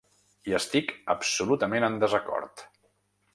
Hi estic absolutament en desacord.